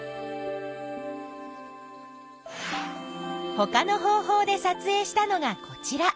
ほかの方法でさつえいしたのがこちら。